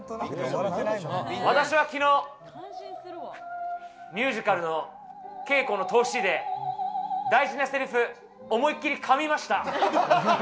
私は昨日、ミュージカルの稽古の通しで大事なせりふ、思いっきりかみました。